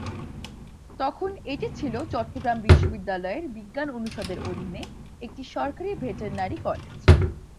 তখন এটি ছিল চট্টগ্রাম বিশ্ববিদ্যালয়ের বিজ্ঞান অনুষদের অধীনে একটি সরকারী ভেটেরিনারি কলেজ।